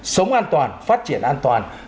sống an toàn phát triển an toàn